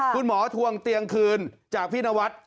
คุณหมอทวงเตียงคืนจากพี่นวัด